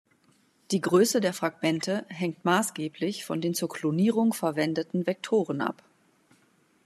Die Größe der Fragmente hängt maßgeblich von den zur Klonierung verwendeten Vektoren ab.